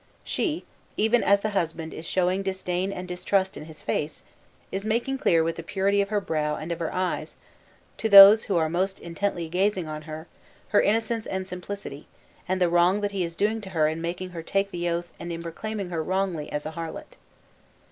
She, even as the husband is showing disdain and distrust in his face, is making clear with the purity of her brow and of her eyes, to those who are most intently gazing on her, her innocence and simplicity, and the wrong that he is doing to her in making her take oath and in proclaiming her wrongly as a harlot.